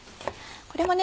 これもね